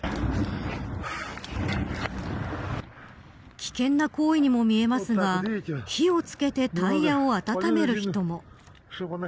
危険な行為にも見えますが火を付けてタイヤを温める人も。